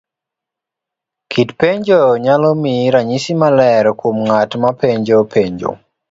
Kit penjo nyalo miyi ranyisi maler kuom nga't mapenjo penjo.